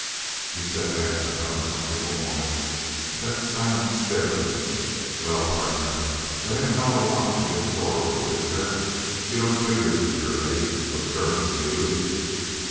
He said after an uncomfortable moment of that silent staring: "Well, partner, there ain't a hell of a lot to get sore over, is there? You don't figure you're a mate for McGurk, do you?"